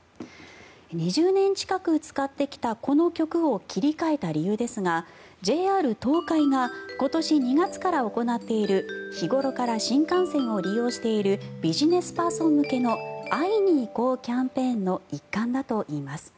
２０年近く使ってきたこの曲を切り替えた理由ですがＪＲ東海が今年２月から行っている日頃から新幹線を利用しているビジネスパーソン向けの「会いにいこう」キャンペーンの一環だといいます。